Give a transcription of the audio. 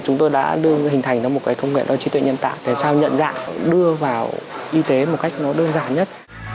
chúng tôi đã hình thành ra một cái công nghệ đó truyền tải nhân tạng để sao nhận dạng đưa vào y tế một cách nó đơn giản nhất